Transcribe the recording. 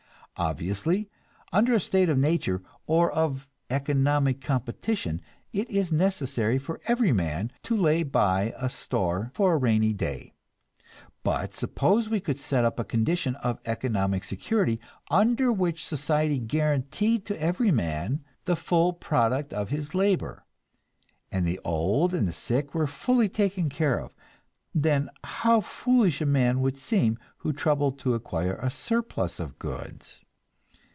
Obviously, under a state of nature, or of economic competition, it is necessary for every man to lay by a store "for a rainy day." But suppose we could set up a condition of economic security, under which society guaranteed to every man the full product of his labor, and the old and the sick were fully taken care of then how foolish a man would seem who troubled to acquire a surplus of goods!